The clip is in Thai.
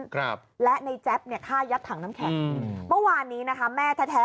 ครับและในแจ๊บฆ่ายัดถังน้ำแขกเมื่อวานนี้นะคะแม่แท้